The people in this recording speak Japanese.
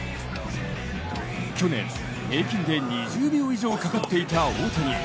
去年、平均で２０秒以上かかっていた大谷。